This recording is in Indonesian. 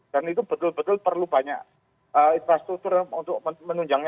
itu betul betul perlu banyak infrastruktur untuk menunjangnya